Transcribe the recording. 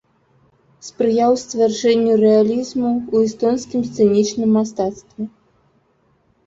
Спрыяў сцвярджэнні рэалізму ў эстонскім сцэнічным мастацтве.